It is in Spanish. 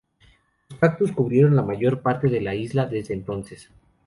Los cactus cubrieron la mayor parte de la isla desde entonces.